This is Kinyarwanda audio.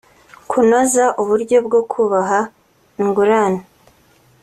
kunoza uburyo bwo kubaha ingurane